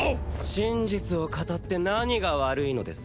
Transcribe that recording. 真実を語って何が悪いのです？